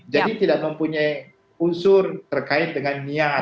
jadi tidak mempunyai unsur terkait dengan niat